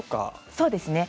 そうですね。